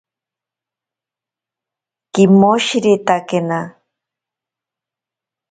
Kimoshiretakena.